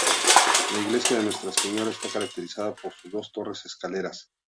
La iglesia de Nuestra Señora está caracterizada por sus dos torres escaleras.